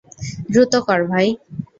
দ্রুত কর ভাই!